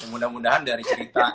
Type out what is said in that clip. mudah mudahan dari cerita